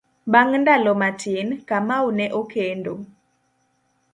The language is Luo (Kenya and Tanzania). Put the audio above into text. Bang' ndalo matin, Kamau ne okendo.